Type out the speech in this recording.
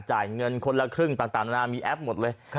จ่ายเงินคนละครึ่งต่างนานามีแอปหมดเลย